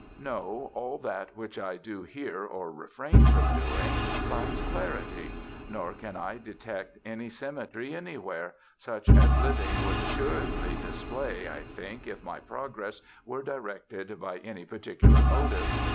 No, all that which I do here or refrain from doing lacks clarity, nor can I detect any symmetry anywhere, such as living would assuredly display, I think, if my progress were directed by any particular motive....